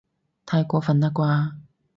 太過分喇啩